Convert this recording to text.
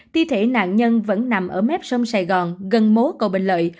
thi thể nạn nhân vẫn nằm ở mép sông sài gòn gần mố cầu bình lợi